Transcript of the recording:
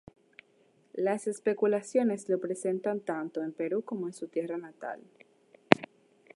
Las especulaciones lo presentan tanto en Perú como en su tierra natal.